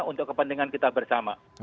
untuk kepentingan kita bersama